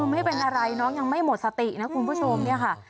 ไม่เป็นอะไรน้องยังไม่หมดสตินะคุณผู้ชม